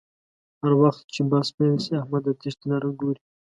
هر وخت چې بحث پیل شي احمد د تېښتې لاره گوري